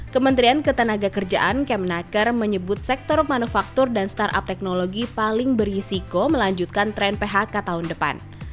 kementerian ketenaga kerjaan kemnaker menyebut sektor manufaktur dan startup teknologi paling berisiko melanjutkan tren phk tahun depan